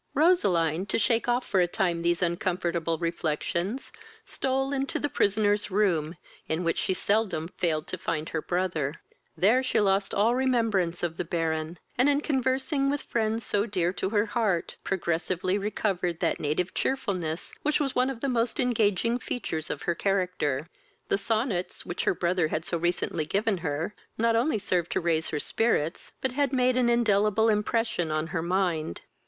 Roseline, to shake off for a time these uncomfortable reflections, stole into the prisoner's room, in which she seldom failed to find her brother: there she lost all remembrance of the Baron; and, in conversing with friends so dear to her heart, progressively recovered that native cheerfulness which was one of the most engaging features of her character. The sonnets, which her brother had so recently given her, not only served to raise her spirits, but had made an indelible impression on her mind.